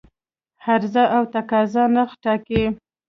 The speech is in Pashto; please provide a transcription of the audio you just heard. عرضه او تقاضا نرخ ټاکي.